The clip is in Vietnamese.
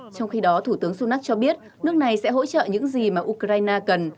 trong khi đó thủ tướng sunak cho biết nước này sẽ hỗ trợ những gì mà ukraine cần